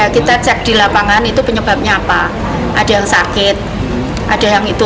kita cek di lapangan itu penyebabnya apa ada yang sakit ada yang itu